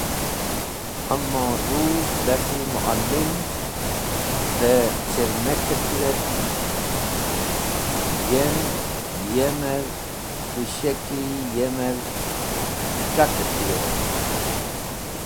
Amo, ruz dah ki ma’lim dẽ chirmaker tiwetk, yem yemer tusheki yemer kẽt̃aker tiwetk.